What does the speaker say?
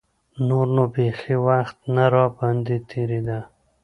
نور نو بيخي وخت نه راباندې تېرېده.